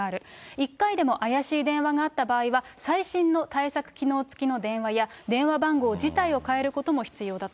一回でも怪しい電話があった場合は、最新の対策機能付きの電話や、電話番号自体を変えることも必要だと。